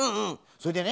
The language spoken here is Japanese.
それでね